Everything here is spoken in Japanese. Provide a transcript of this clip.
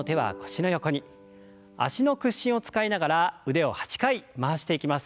脚の屈伸を使いながら腕を８回回していきます。